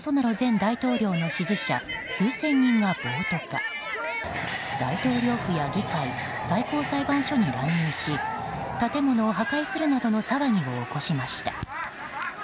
大統領府や議会最高裁判所に乱入し建物を破壊するなどの騒ぎを起こしました。